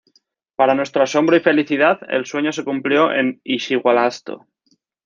Para nuestro asombro y felicidad, el sueño se cumplió en Ischigualasto".